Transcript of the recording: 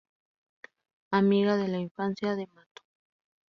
Amiga de la infancia de Mato.